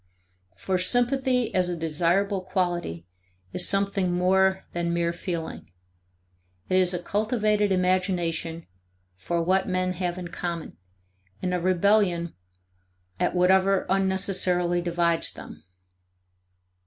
For sympathy as a desirable quality is something more than mere feeling; it is a cultivated imagination for what men have in common and a rebellion at whatever unnecessarily divides them.